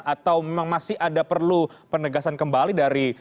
atau memang masih ada perlu penegasan kembali dari